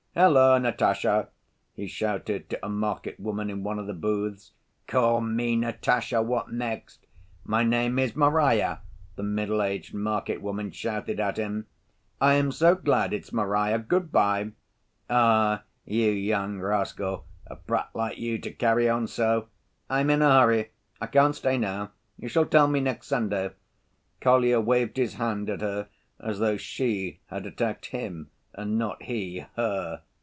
Hallo, Natasha!" he shouted to a market woman in one of the booths. "Call me Natasha! What next! My name is Marya," the middle‐aged market woman shouted at him. "I am so glad it's Marya. Good‐by!" "Ah, you young rascal! A brat like you to carry on so!" "I'm in a hurry. I can't stay now. You shall tell me next Sunday." Kolya waved his hand at her, as though she had attacked him and not he her.